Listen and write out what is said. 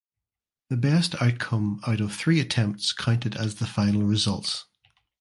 The best outcome out of three attempts counted as the final results.